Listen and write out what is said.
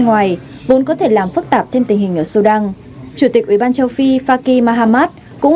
ngoài vốn có thể làm phức tạp thêm tình hình ở sudan chủ tịch ủy ban châu phi faki mahamad cũng